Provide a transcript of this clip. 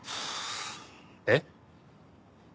えっ？